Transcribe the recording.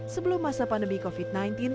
sebelum masa pandemi covid sembilan belas